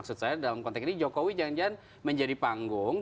maksud saya dalam konteks ini jokowi jangan jangan menjadi panggung